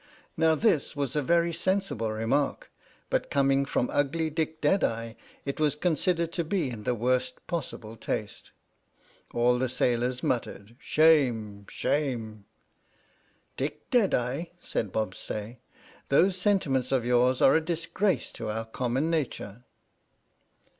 Now this was a very sensible remark, but coming from ugly Dick Deadeye it was considered to be in the worst possible taste. All the sailors muttered, " Shame, shame!" "Dick Deadeye," said Bobstay, "those sentiments of yours are a disgrace to our common nature."